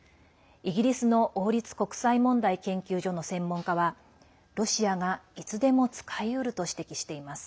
イギリスの王立国際問題研究所の専門家はロシアが、いつでも使いうると指摘しています。